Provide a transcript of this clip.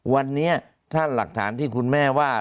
วันนี้ถ้าหลักฐานที่คุณแม่ว่า